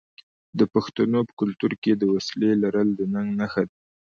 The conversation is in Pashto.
د پښتنو په کلتور کې د وسلې لرل د ننګ نښه ده.